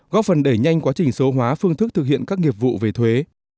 góp phần đẩy nhanh quá trình số hóa phương thức thực hiện các nghiệp vụ về thuế